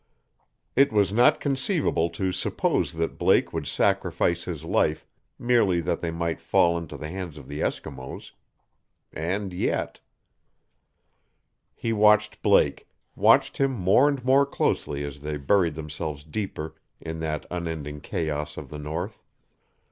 It was not conceivable to suppose that Blake would sacrifice his life merely that they might fall into the hands of the Eskimos. And yet He watched Blake watched him more and more closely as they buried themselves deeper in that unending chaos of the north.